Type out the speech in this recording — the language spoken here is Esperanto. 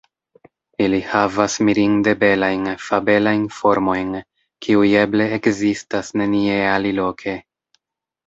Ili havas mirinde belajn, fabelajn formojn, kiuj eble ekzistas nenie aliloke.